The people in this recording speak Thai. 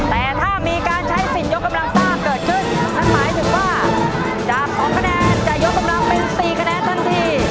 แต่ถ้ามีการใช้สิทธิ์ยกกำลังซ่าเกิดขึ้นนั่นหมายถึงว่าจาก๒คะแนนจะยกกำลังเป็น๔คะแนนทันที